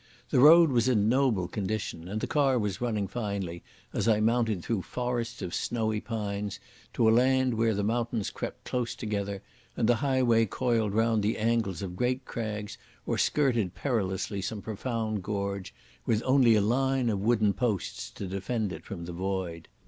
The road was in noble condition, and the car was running finely, as I mounted through forests of snowy Pines to a land where the mountains crept close together, and the highway coiled round the angles of great crags or skirted perilously some profound gorge, with only a line of wooden posts to defend it from the void.